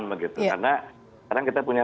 karena sekarang kita punya